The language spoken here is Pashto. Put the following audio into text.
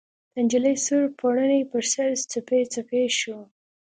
د نجلۍ سور پوړني ، پر سر، څپې څپې شو